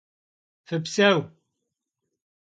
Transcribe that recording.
Fıpseu!